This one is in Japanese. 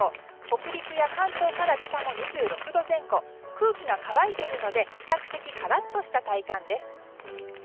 北陸や関東から北も２６度前後空気が乾いているので比較的カラッとした体感です。